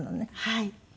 はい。